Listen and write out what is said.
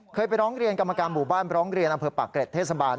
ไปร้องเรียนกรรมการหมู่บ้านร้องเรียนอำเภอปากเกร็ดเทศบาล